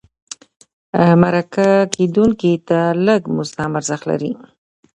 مرکه کېدونکي ته لږ مزد هم ارزښت لري.